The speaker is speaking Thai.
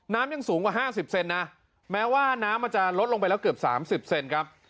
น้ำยังสูงกว่า๕๐เซนนะแม้ว่าน้ำมันจะลดลงไปแล้วเกือบ๓๐เซนครับ